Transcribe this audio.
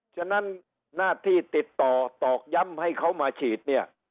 ฉะนั้นหน้าที่ติดต่อตอกย้ำให้เขามาฉีดเนี่ย